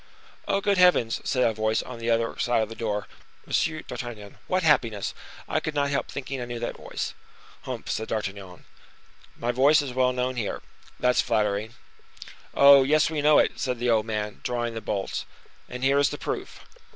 "Oh! good heavens!" said a voice on the other side of the door. "Monsieur d'Artagnan. What happiness! I could not help thinking I knew that voice." "Humph!" said D'Artagnan. "My voice is known here! That's flattering." "Oh! yes, we know it," said the old man, drawing the bolts; "and here is the proof."